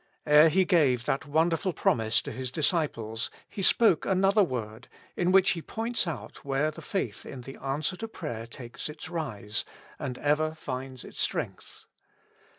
Ere He gave that wonderful promise to His disciples, He spoke another word, in which He points out where the faith in the answer to prayer takes its rise, and ever finds its strength.